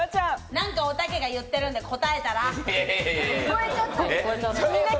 なんか、おたけが言ってるんで答えたら！